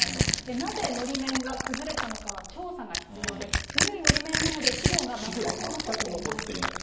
なぜのり面が崩れたのかは調査が必要で、古いのり面なので資料が全く残っていないと。